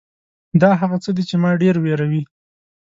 دا هغه څه دي چې ما ډېر وېروي .